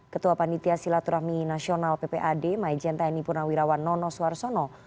ketua panitia silaturahmi nasional ppad maijen tni purnawirawan nono suarsono